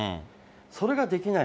それができない。